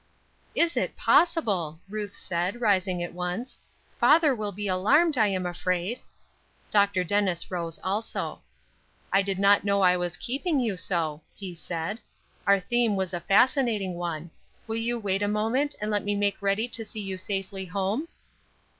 "Is it possible!" Ruth said, rising at once. "Father will be alarmed, I am afraid." Dr. Dennis rose also. "I did not know I was keeping you so," he said. "Our theme was a fascinating one. Will you wait a moment, and let me make ready to see you safely home?"